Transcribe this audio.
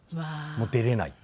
もう出れないと。